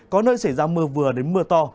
có nơi xảy ra mưa vừa đến mưa to